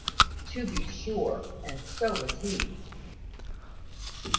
"To be sure; and so was he."